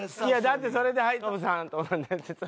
いやだってそれで「はいノブさん」って。